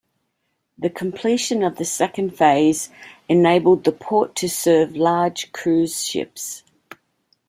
The completion of the Second Phase, enabled the port to serve large cruise ships.